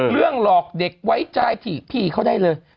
เรื่องหลอกเด็กไว้ใจพี่เขาได้เลย